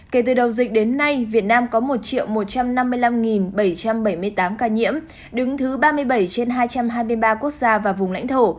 kể từ đầu dịch đến nay việt nam có một một trăm năm mươi năm bảy trăm bảy mươi tám ca nhiễm đứng thứ ba mươi bảy trên hai trăm hai mươi ba quốc gia và vùng lãnh thổ